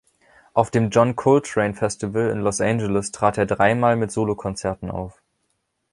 Auf dem "John Coltrane Festival" in Los Angeles trat er dreimal mit Solokonzerten auf.